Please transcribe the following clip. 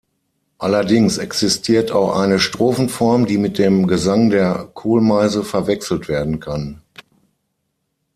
Allerdings existiert auch eine Strophenform, die mit dem Gesang der Kohlmeise verwechselt werden kann.